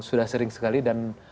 sudah sering sekali dan